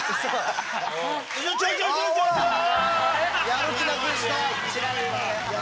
やる気なくしたわ。